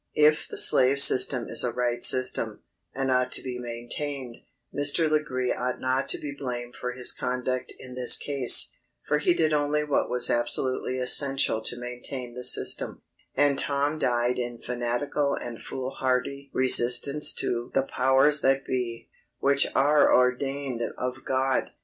If the slave system is a right system, and ought to be maintained, Mr. Legree ought not to be blamed for his conduct in this case; for he did only what was absolutely essential to maintain the system; and Tom died in fanatical and foolhardy resistance to "the powers that be, which are ordained of God."